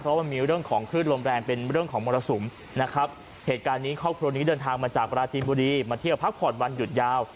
เพราะมันมีเรื่องของคลื่นลมแรงเป็นเรื่องของมรสุมนะครับเหตุการณ์นี้ครอบครัวนี้เดินทางมาจากปราจีนบุรีมาเที่ยวพักผ่อนวันหยุดยาว